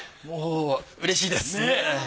もううれしいです！ねぇ！